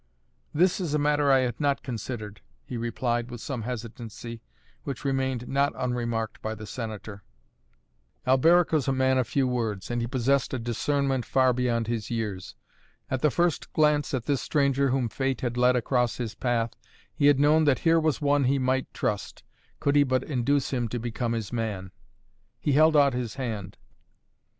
"This is a matter I had not considered," he replied with some hesitancy, which remained not unremarked by the Senator. Alberic was a man of few words, and he possessed a discernment far beyond his years. At the first glance at this stranger whom fate had led across his path, he had known that here was one he might trust, could he but induce him to become his man. He held out his hand.